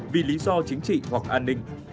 vì lý do chính trị hoặc an ninh